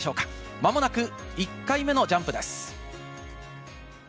間もなく１回目のジャンプです。